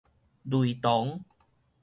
類同